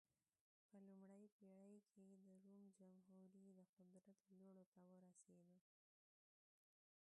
په لومړۍ پېړۍ کې د روم جمهوري د قدرت لوړو ته ورسېده.